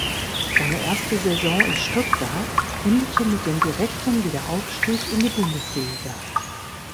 Seine erste Saison in Stuttgart endete mit dem direkten Wiederaufstieg in die Bundesliga.